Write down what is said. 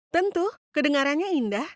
tentu kedengarannya indah